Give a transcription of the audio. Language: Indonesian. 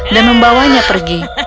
dan membawanya pergi